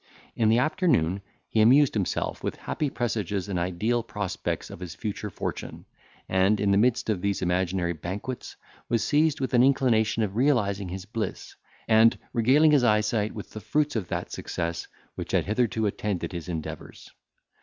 In the afternoon he amused himself with happy presages and ideal prospects of his future fortune, and, in the midst of these imaginary banquets, was seized with an inclination of realising his bliss, and regaling his eyesight with the fruits of that success which had hitherto attended his endeavours.